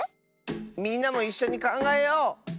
みんなもいっしょにかんがえよう！